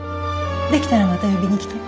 出来たらまた呼びに来て。